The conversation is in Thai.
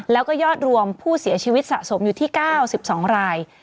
แล้วก็ยอดรวมผู้เสียชีวิตสะสมอยู่ที่๙๒ราย